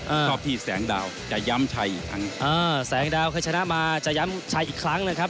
ชอบที่แสงดาวจะย้ำชัยอีกครั้งอ่าแสงดาวเคยชนะมาจะย้ำชัยอีกครั้งนะครับ